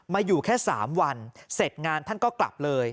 อยู่แค่๓วันเสร็จงานท่านก็กลับเลย